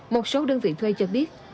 một số đơn vị thuê cho biết